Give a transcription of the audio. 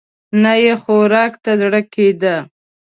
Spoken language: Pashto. نه يې خوراک ته زړه کېده.